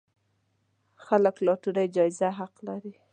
خلک لاټرۍ جايزه حق لري.